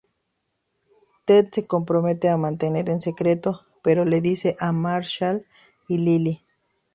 Ted se compromete a mantener en secreto, pero le dice a Marshall y Lily.